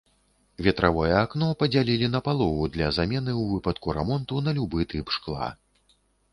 Ветравое акно падзялілі напалову для замены ў выпадку рамонту на любы тып шкла.